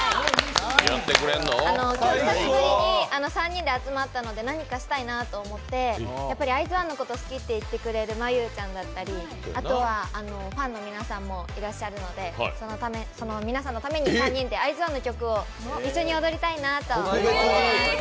今日、久しぶりに３人で集まったので、何かしたいなと思ってやっぱりＩＺ＊ＯＮＥのこと好きと言ってくださる真悠ちゃんだったりあとはファンの皆さんもいてくださるんでその皆さんのために３人でＩＺ＊ＯＮＥの曲を一緒に踊りたいなと思います。